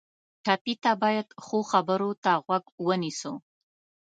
ټپي ته باید ښو خبرو ته غوږ ونیسو.